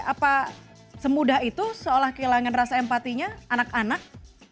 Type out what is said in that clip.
apa semudah itu seolah kehilangan rasa empatinya anak anak